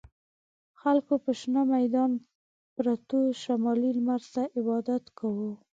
خلکو په شنه میدان پروتو شمالي لمر ته عبادت کاوه.